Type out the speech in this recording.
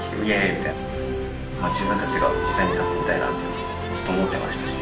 みたいな自分たちが実際に立ってみたいなってずっと思ってましたし。